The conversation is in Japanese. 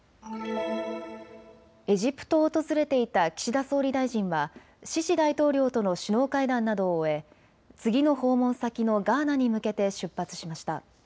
エジプトを訪れていた岸田総理大臣はシシ大統領との首脳会談などを終え次の訪問先のガーナに向けて出発しました。